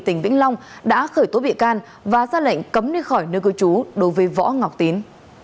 tỉnh vĩnh long đã khởi tố bị can và ra lệnh cấm đi khỏi nơi cư trú đối với võ ngọc tín